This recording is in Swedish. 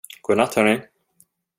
God natt, hörni.